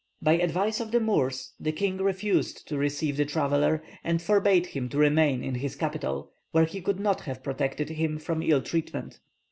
By advice of the Moors, the king refused to receive the traveller, and forbade him to remain in his capital, where he could not have protected him from ill treatment.